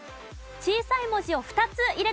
小さい文字を２つ入れてください。